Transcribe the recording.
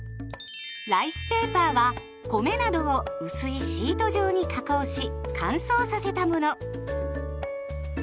ライスペーパーは米などを薄いシート状に加工し乾燥させたもの。